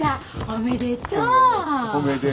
おめでとう。